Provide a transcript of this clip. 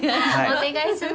お願いします。